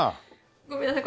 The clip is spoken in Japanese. ごめんなさい